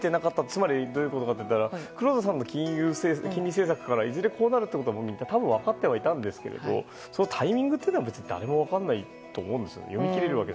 つまりどういうことかというと黒田さんの金融政策からいずれこうなるということは多分、分かってはいたんですけどタイミングというのは別に誰も分からないと思うんです。